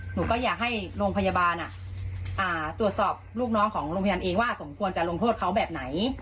หนูก็อยากให้โรงพยาบาลตรวจสอบลูกน้องของโรงพยาบาลเองว่าสมควรจะลงโทษเขาแบบไหน